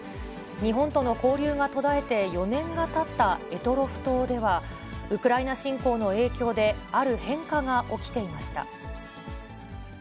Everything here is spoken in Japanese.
日本との交流が途絶えて４年がたった択捉島では、ウクライナ侵攻の影響で、ある変化が起きていました。